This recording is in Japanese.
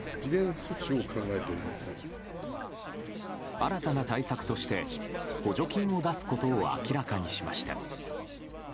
新たな対策として補助金を出すことを明らかにしました。